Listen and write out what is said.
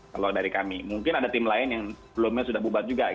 kalau dari kami mungkin ada tim lain yang sebelumnya sudah bubar juga